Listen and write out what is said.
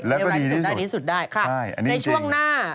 แล้วก็ดีที่สุดใช่อันนี้จริงค่ะในช่วงหน้า